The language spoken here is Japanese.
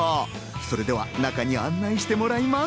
それでは中に案内してもらいます。